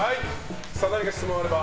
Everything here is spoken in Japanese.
何か質問があれば。